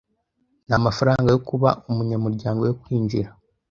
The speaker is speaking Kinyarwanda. Nta mafaranga yo kuba umunyamuryango yo kwinjira.